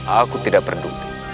aku tidak peduli